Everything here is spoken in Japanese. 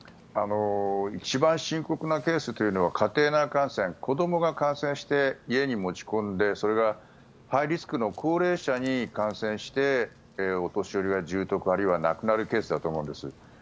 一番深刻なケースというのは家庭内感染子どもが感染して家に持ち込んでそれがハイリスクの高齢者に感染して、お年寄りが重篤あるいは亡くなるケースだと思うんです。